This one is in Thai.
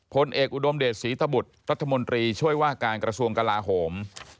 ผลเอกอุดมเดชศรีตบุตรรัฐมนตรีช่วยว่าการกระทรวงกลาโหม